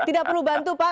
tidak perlu bantu pak